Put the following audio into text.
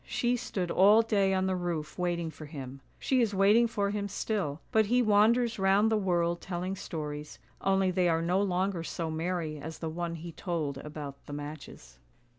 She stood all day on the roof waiting for him; she is waiting for him still, but he wanders round the world telling stories, only they are no longer so merry as the one he told about the matches.